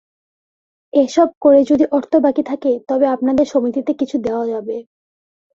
এ-সব করে যদি অর্থ বাকী থাকে, তবে আপনাদের সমিতিতে কিছু দেওয়া যাবে।